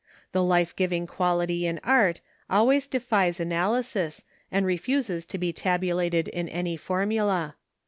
The life giving quality in art always defies analysis and refuses to be tabulated in any formula.